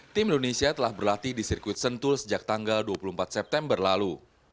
tim indonesia telah berlatih di sirkuit sentul sejak tanggal dua puluh empat september lalu